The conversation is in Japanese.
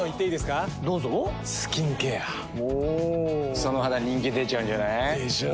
その肌人気出ちゃうんじゃない？でしょう。